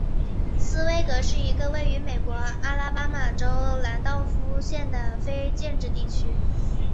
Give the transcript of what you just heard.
斯威格是一个位于美国阿拉巴马州兰道夫县的非建制地区。